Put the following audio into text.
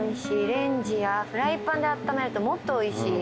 レンジやフライパンであっためるともっとおいしい。